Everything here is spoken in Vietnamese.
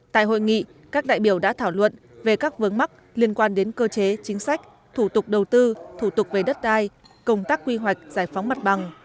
tại hội nghị các đại biểu đã thảo luận về các vấn mắc liên quan đến cơ chế chính sách thủ tục đầu tư thủ tục về đất đai công tác quy hoạch giải phóng mặt bằng